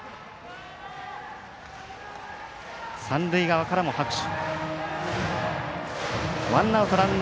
三塁側からも拍手。